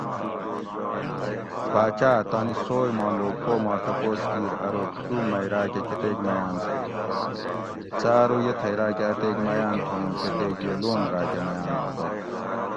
باچاۤ تانی سوئے ما لوک پو ما تپوس کیر ارو تو مئی راۤکہ کۤتیک میاۤن تُھو؟ سہ ارو یہ تھئی راۤکہ اتیک میاۤن تھو اوں کتیک یہ لون راکہ میاۤن تھو تہ